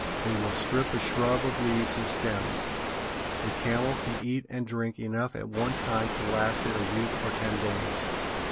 They will strip a shrub of leaves and stems. A camel can eat and drink enough at one time to last it a week or ten days.